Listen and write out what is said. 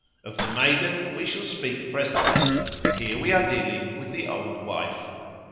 Of the Maiden we shall speak presently; here we are dealing with the Old Wife.